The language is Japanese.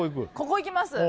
ここいきます